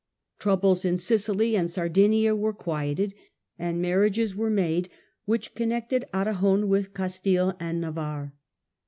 Troubles in Sicily and Sardinia were quieted, and marriages were made which connected Ara gon with Castile and Navarre.